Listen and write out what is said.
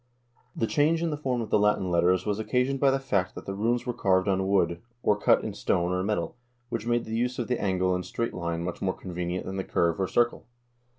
The change in the form of the Latin letters was occasioned by the fact that the runes were carved on wood, or cut in stone or metal, which made the use of the angle and straight line much more convenient than the curve or circle.